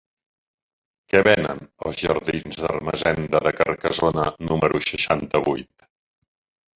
Què venen als jardins d'Ermessenda de Carcassona número seixanta-vuit?